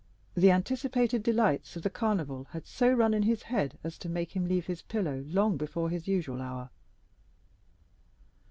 The anticipated delights of the Carnival had so run in his head as to make him leave his pillow long before his usual hour.